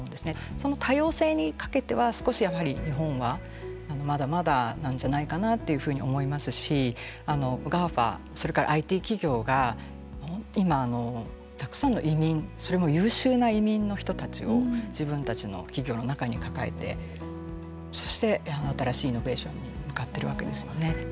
その多様性にかけては少しやはり日本はまだまだなんじゃないかなというふうに思いますしＧＡＦＡ、それからＩＴ企業が今たくさんの移民それも優秀な移民の人たちを自分たちの企業の中に抱えてそして新しいイノベーションに向かっているわけですよね。